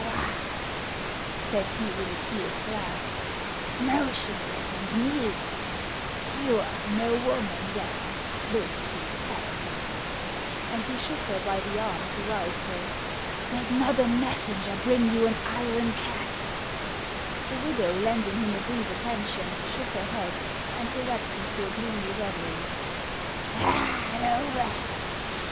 " What !" said he, with a fierce laugh, " motionless and mute. You are no woman, then, Lucy Pelryhn!" and he shook her by the arm to rouse her. "Did not a mes senger bring you an iron casket ?" The widow, lending him a brief attention, shook her head, and relapsed into her gloomy revery. " All, the wretch